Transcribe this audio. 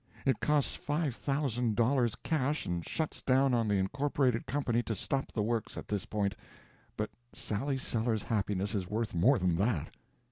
It costs five thousand dollars cash and shuts down on the incorporated company to stop the works at this point, but Sally Sellers's happiness is worth more than that."